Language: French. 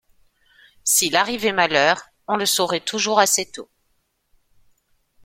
S’il arrivait malheur, on le saurait toujours assez tôt.